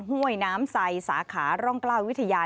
ห้วยน้ำไซสาขาร่องกล้าวิทยา